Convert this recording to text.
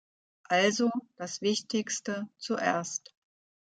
Also, das Wichtigste zuerst.